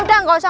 udah gak usah